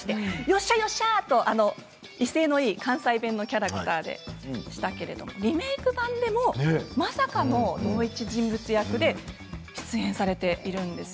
よっしゃよっしゃあと威勢のよい関西弁のキャラクターでしたけれどリメーク版でも、まさかの同一人物役で出演されているんです。